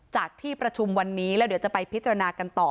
จากที่ประชุมวันนี้แล้วเดี๋ยวจะไปพิจารณากันต่อ